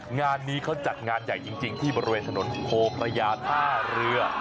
งานนี้เขาจัดงานใหญ่จริงที่บริเวณถนนโพพระยาท่าเรือ